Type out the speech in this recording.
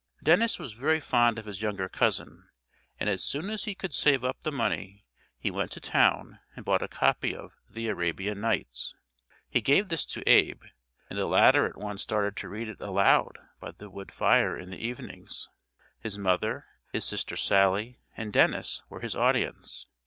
Dennis was very fond of his younger cousin, and as soon as he could save up the money he went to town and bought a copy of "The Arabian Nights." He gave this to Abe, and the latter at once started to read it aloud by the wood fire in the evenings. His mother, his sister Sally, and Dennis were his audience.